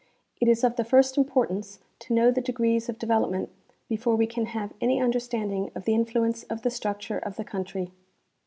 It is of the first importance to know the degrees of de velopment before we can have any understanding of the influ ence of the structure of the country.